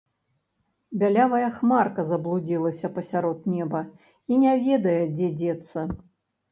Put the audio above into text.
Бялявая хмарка заблудзілася пасярод неба і не ведае, дзе дзецца.